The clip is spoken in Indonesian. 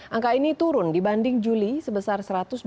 angka ini turun dibanding juli sebesar satu ratus dua puluh